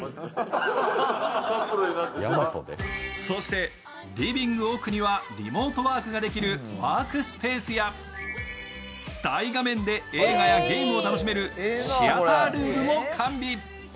そして、リビング奥にはリモートワークができるワークスペースや大画面で映画やゲームを楽しめるシアタールームも完備。